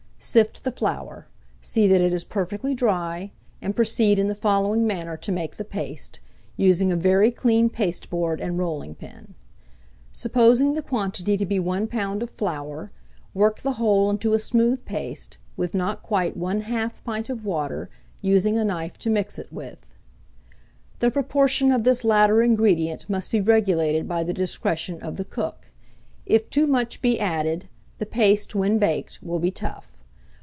Sift the flour; see that it is perfectly dry, and proceed in the following manner to make the paste, using a very clean paste board and rolling pin: Supposing the quantity to be 1 lb. of flour, work the whole into a smooth paste, with not quite 1/2 pint of water, using a knife to mix it with: the proportion of this latter ingredient must be regulated by the discretion of the cook; if too much be added, the paste, when baked, will be tough.